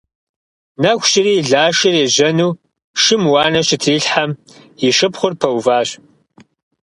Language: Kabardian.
Нэху щыри, Лашэр ежьэну шым уанэ щытрилъхьэм, и шыпхъур пэуващ.